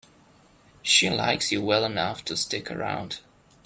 She likes you well enough to stick around.